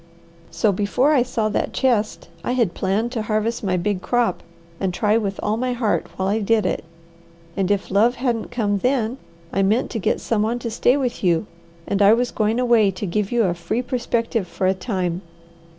So before I saw that chest I had planned to harvest my big crop, and try with all my heart while I did it, and if love hadn't come then, I meant to get some one to stay with you, and I was going away to give you a free perspective for a time.